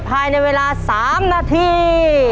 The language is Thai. ภายในเวลา๓นาที